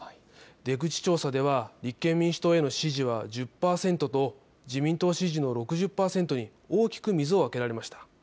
出口調査では立憲民主党への支持は１０％と自民党支持の６０％に大きく水をあけられました。